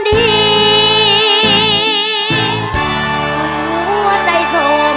เพราะเธอชอบเมือง